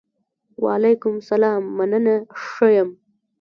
وعلیکم سلام! مننه ښۀ یم.